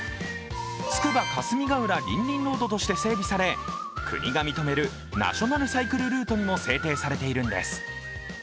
つくば霞ヶ浦りんりんロードとして整備され、国が認めるナショナルサイクルルートにも認定されているんです。